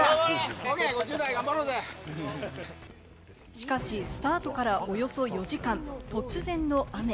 しかしスタートからおよそ４時間、突然の雨。